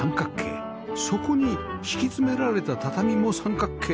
そこに敷き詰められた畳も三角形